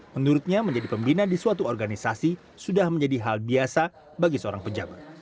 menurutnya menjadi pembina di suatu organisasi sudah menjadi hal biasa bagi seorang pejabat